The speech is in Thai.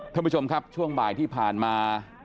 ท่านผู้ชมครับช่วงบ่ายที่ผ่านมา